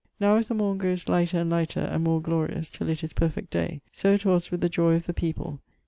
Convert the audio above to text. Now, as the morne growes lighter and lighter, and more glorious, till it is perfect day, soit was with the joy of the people.